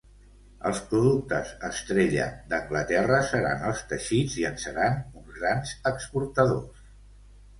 Els productes estrella d'Anglaterra seran els teixits i en seran uns grans exportadors.